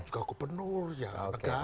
juga kebenar negara gitu